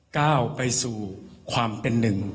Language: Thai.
ก้าวไปสู่ความเป็นหนึ่ง